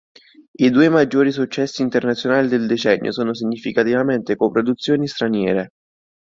I due maggiori successi internazionali del decennio sono significativamente co-produzioni straniere.